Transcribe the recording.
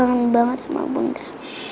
kangen banget sama bunda